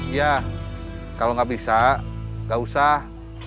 iya kalau gak bisa gak usah